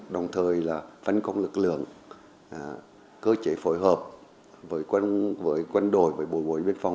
đồng thời là phân công lực lượng cơ chế phối hợp với quân đội với bộ nguyên phòng